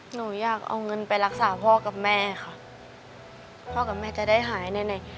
หนูอยากเอาเงินไปรักษาพ่อกับแม่ค่ะพ่อกับแม่จะได้หายในไหน